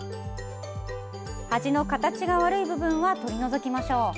端の形が悪い部分は取り除きましょう。